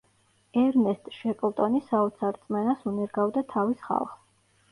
ერნესტ შეკლტონი საოცარ რწმენას უნერგავდა თავის ხალხს.